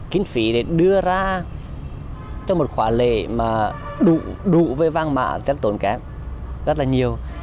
kinh phí để đưa ra cho một khóa lễ mà đủ với vàng mã rất tốn kém rất là nhiều